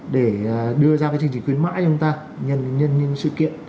để đưa ra các chương trình khuyến mãi cho chúng ta nhân sự kiện